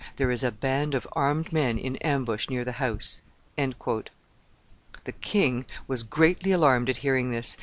There is a band of armed men in ambush near the house." The king was greatly alarmed at hearing this.